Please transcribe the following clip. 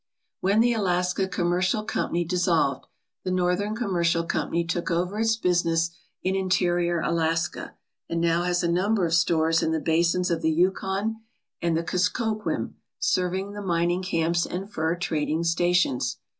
When the Alaska Commercial Company dissolved, the Northern Commercial Company took over its business in interior Alaska and now has a number of stores in the basins of the Yukon and the Kuskokwim, serving the mining camps and fur trading stations.